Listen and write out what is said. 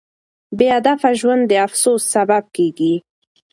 بې هدفه ژوند د افسوس سبب کیږي.